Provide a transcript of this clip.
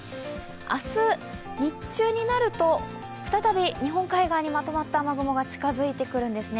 明日、日中になると、再び日本海側にまとまった雨雲が近づいてくるんですね。